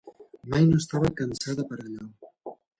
Mai no estava cansada per a allò.